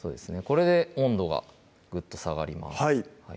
これで温度がグッと下がります